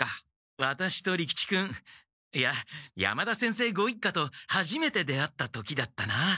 ワタシと利吉君いや山田先生ご一家とはじめて出会った時だったな。